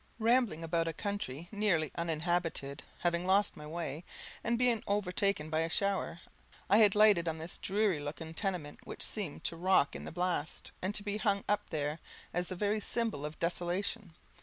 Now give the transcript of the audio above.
Rambling about a country nearly uninhabited, having lost my way, and being overtaken by a shower, I had lighted on this dreary looking tenement, which seemed to rock in the blast, and to be hung up there as the very symbol of desolation.